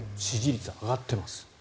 支持率が上がっています。